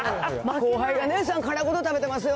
後輩が、姉さん、殻ごと食べてますよ